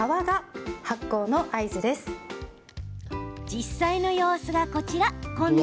実際の様子がこちら。